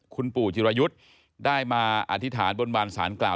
คุณปู่จิรายุทธ์ได้มาอธิษฐานบนบานสารกล่าว